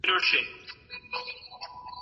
د پخواني ادب په څېړنه کې تاریخ ډېر پکاریږي.